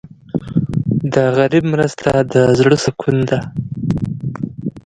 د غریب مرسته د زړه سکون ده.